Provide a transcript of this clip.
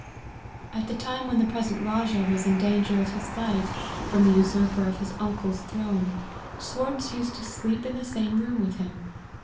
" At the time when the present Rajah was in danger of his life, from the usurper of his uncle's throne i Swartz used to sleep in the same room with him.